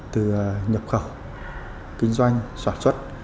từ nhập khẩu kinh doanh soạn xuất